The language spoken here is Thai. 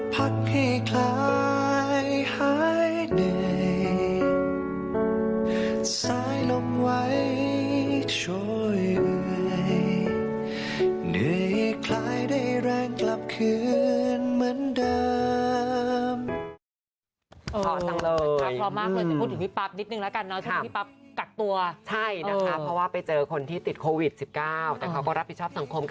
ไปได้แรงกลับคืนเหมือนเดิม